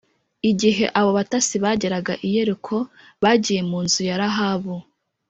Igihe abo batasi bageraga i Yeriko bagiye mu nzu ya Rahabu